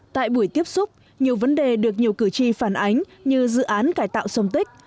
tại buổi tiếp xúc nhiều vấn đề được nhiều cử tri phản ánh như dự án cải tạo sông tích